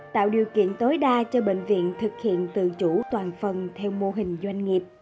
tạo điều kiện tối đa cho bệnh viện thực hiện tự chủ toàn phần theo mô hình doanh nghiệp